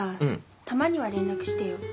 たまには連絡してよ。